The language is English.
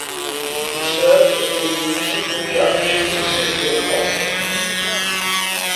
He served as the municipal judge for the city of Hopkins.